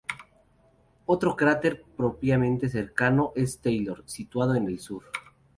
Otro cráter prominente cercano es Taylor, situado al sur.